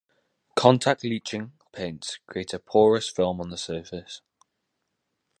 "Contact leaching" paints "create a porous film on the surface.